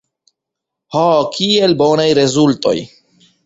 Ho, kiel bonaj rezultoj!